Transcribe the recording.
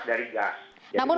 tidak yang lain